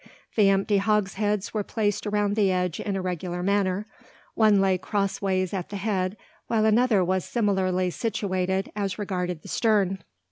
The empty hogsheads were placed around the edge in a regular manner. One lay crosswise at the head, while another was similarly situated as regarded the stern.